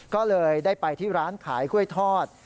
ก็เลยได้ไปที่ร้านขายกล้วยทอด